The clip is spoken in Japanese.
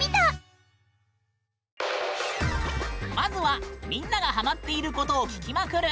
まずは、みんながハマっていることを聞きまくる